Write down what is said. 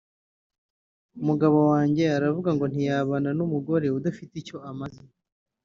umugabo wanjye aravuga ngo ntiyabana n’umugore udafite icyo amaze